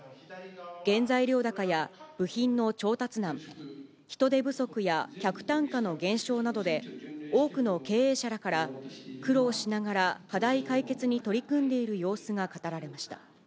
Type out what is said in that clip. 原材料高や部品の調達難、人手不足や客単価の減少などで、多くの経営者らから苦労しながら課題解決に取り組んでいる様子が語られました。